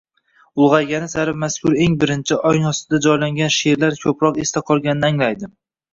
Ulg‘aygani sari mazkur eng birinchi, ongostiga joylangan sherlar ko'proq esda qolganini anglaydi.